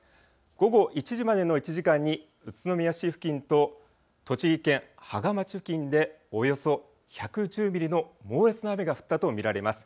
午後１時までの１時間に宇都宮市付近と栃木県芳賀町付近でおよそ１１０ミリの猛烈な雨が降ったと見られます。